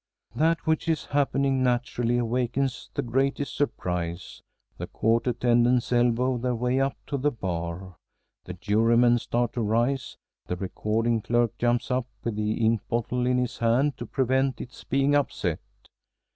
That which is happening naturally awakens the greatest surprise. The court attendants elbow their way up to the bar, the jurymen start to rise, the recording clerk jumps up with the ink bottle in his hand to prevent its being upset.